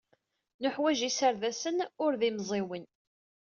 Neḥwaj iserdasen, ur d imẓiwen.